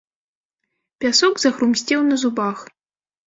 Пясок захрумсцеў на зубах.